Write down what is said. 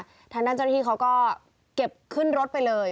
เจ้าหน้าที่เขาก็เก็บขึ้นรถไปเลย